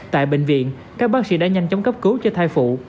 tại bệnh viện các bác sĩ đã nhanh chóng cấp cứu cho thai phụ